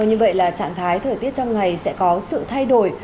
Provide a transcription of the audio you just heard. như vậy là trạng thái thời tiết trong ngày sẽ có sự thay đổi